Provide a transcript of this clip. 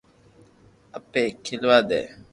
ايني کلوا دي